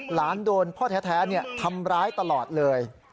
หลานโดนพ่อแท้ทำร้ายตลอดเลย